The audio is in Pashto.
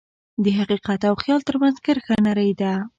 د حقیقت او خیال ترمنځ کرښه نری ده.